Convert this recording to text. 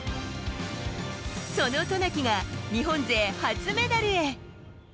その渡名喜が日本勢初メダルへ。